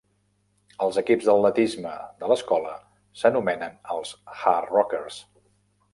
Els equips d'atletisme de l'escola s'anomenen els "Hardrockers".